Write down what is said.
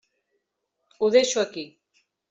Ho deixo aquí.